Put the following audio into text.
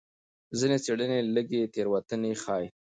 ځینې څېړنې لږې تېروتنې ښيي.